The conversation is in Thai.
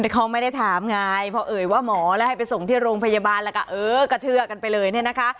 เขาไม่ได้ถามไงพอเอ่ยว่าหมอแล้วให้ไปส่งที่โรงพยาบาลแล้วก็เออกระเทือกกันไปเลยเนี่ยนะคะ